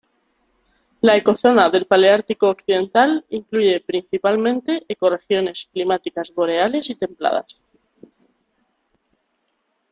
La ecozona del Paleártico Occidental incluye principalmente ecorregiones climáticas boreales y templadas.